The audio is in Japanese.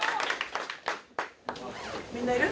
みんないる？